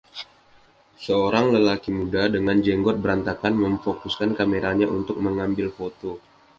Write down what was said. Seorang lelaki muda dengan jenggot berantakan memfokuskan kameranya untuk mengambil foto.